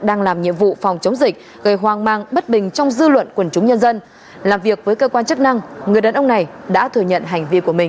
đang làm nhiệm vụ phòng chống dịch gây hoang mang bất bình trong dư luận quần chúng nhân dân làm việc với cơ quan chức năng người đàn ông này đã thừa nhận hành vi của mình